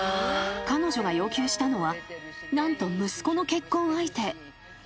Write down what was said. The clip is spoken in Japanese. ［彼女が要求したのは何と息子の結婚相手］